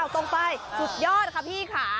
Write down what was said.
ตรงไปสุดยอดค่ะพี่ค่ะ